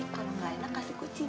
santik kalau gak enak kasih kucing